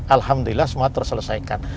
alhamdulillah semua terselesaikan